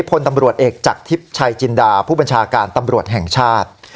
พลตำรวจเอกจากทิพย์ชัยจินดาผู้บัญชาการตำรวจแห่งชาติ